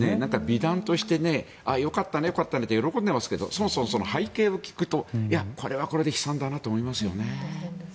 美談として、よかったねって喜んでますがそもそもの背景を聞くといや、これはこれで悲惨だなと思いますよね。